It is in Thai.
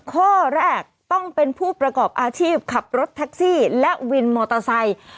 ข้อแรกต้องเป็นผู้ประกอบอาชีพขับรถแท็กซี่และวินมอเตอร์ไซค์